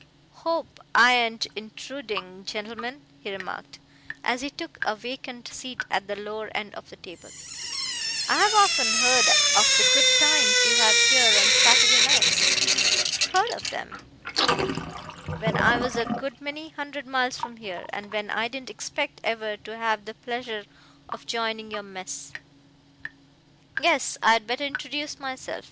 "Hope I ain't intruding, gentlemen," he remarked, as he took a vacant seat at the lower end of the table; "I've often heard of the good times you have here on Saturday nights. Heard of 'em when I was a good many hundred miles from here, and when I didn't expect ever to have the pleasure of joining your mess. Guess I'd better introduce myself.